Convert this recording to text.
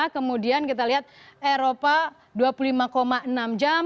kemudian kita lihat eropa dua puluh lima enam jam